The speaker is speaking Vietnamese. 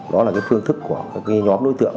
đó là phương thức của nhóm đối tượng